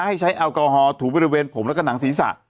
ให้ใช้แอลกอลฮอล์ถูกไปบริเวณผมและกับหนังศีรษะ